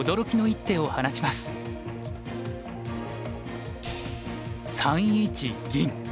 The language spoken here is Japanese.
３一銀。